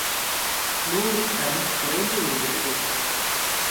நூலின் தரம் குறைந்துவிடுகிறது.